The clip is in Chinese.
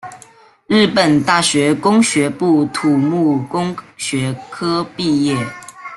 日本大学工学部土木工学科毕业。